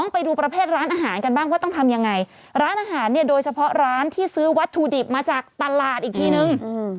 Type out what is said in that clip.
ไปดูประเภทร้านอาหารกันบ้างว่าต้องทำยังไงร้านอาหารเนี่ยโดยเฉพาะร้านที่ซื้อวัตถุดิบมาจากตลาดอีกทีนึง